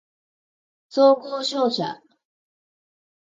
総合商社